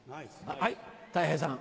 はいたい平さん。